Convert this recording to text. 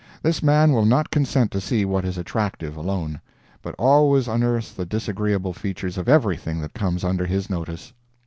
This man will not consent to see what is attractive, alone, but always unearths the disagreeable features of everything that comes under his notice.